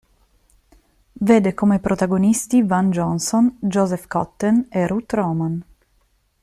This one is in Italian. Vede come protagonisti Van Johnson, Joseph Cotten e Ruth Roman.